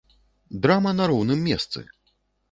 Драма на роўным месцы.